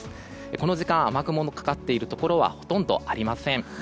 この時間雨雲のかかっているところはほとんどありません。